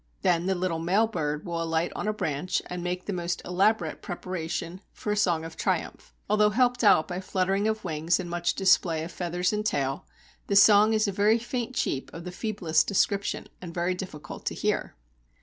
Then the little male bird will alight on a branch and make the most elaborate preparation for a song of triumph. Although helped out by fluttering of wings and much display of feathers and tail, the song is a very faint cheep of the feeblest description, and very difficult to hear.